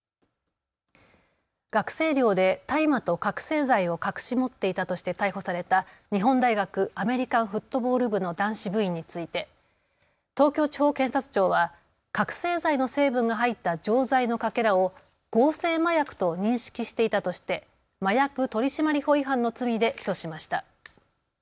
学生寮で大麻と覚醒剤を隠し持っていたとして逮捕された日本大学アメリカンフットボール部の男子部員について東京地方検察庁は覚醒剤の成分が入った錠剤のかけらを合成麻薬と認識していたとして麻薬取締法違反の罪で起訴しました。